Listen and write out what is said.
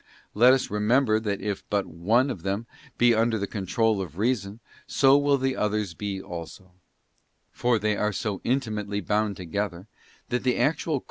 Let us remember that if but one of them be under the control of Reason, so will the others be also; for they are so intimately bound together, that the actual course of one is the virtual VOL.